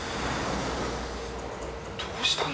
どうしたの？